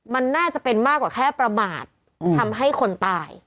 มันน่าจะเป็นมากกว่าแค่ประมาททำให้คนตาย